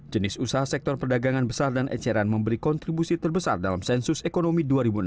jenis usaha sektor perdagangan besar dan eceran memberi kontribusi terbesar dalam sensus ekonomi dua ribu enam belas